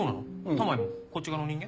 田前もこっち側の人間？